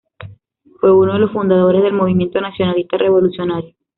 Fue uno de los fundadores del Movimiento Nacionalista Revolucionario.